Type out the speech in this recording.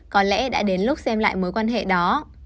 có lẽ đã đến lúc xem lại mối quan hệ đó